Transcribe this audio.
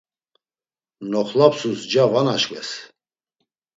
Noxlapsus nca va naşkves.